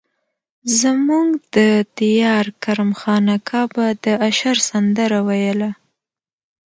زموږ د ديار کرم خان اکا به د اشر سندره ويله.